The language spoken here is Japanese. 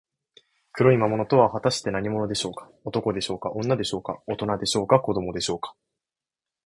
黒い魔物とは、はたして何者でしょうか。男でしょうか、女でしょうか、おとなでしょうか、子どもでしょうか。